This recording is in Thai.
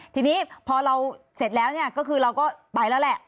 ทีนี้พอเราเสร็จแล้วเนี่ยก็คือเราก็ไปแล้วแหละ